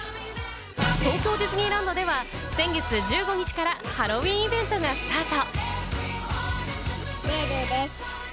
東京ディズニーランドでは先月１５日からハロウィーンイベントがスタート。